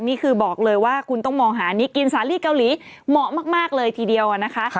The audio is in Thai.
นี่คือบอกเลยว่าคุณต้องมองหานี้กินสาลีเกาหลีเหมาะมากเลยทีเดียวนะคะ